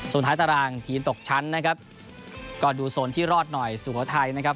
สุดท้ายตารางทีมตกชั้นนะครับก็ดูโซนที่รอดหน่อยสุโขทัยนะครับ